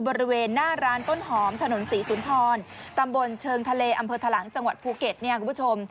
บริเวณหน้าร้านต้นหอมถนนศรีสุนทรตำบลเชิงทะเลอำเภอทะลังจังหวัดภูเก็ตเนี่ยคุณผู้ชม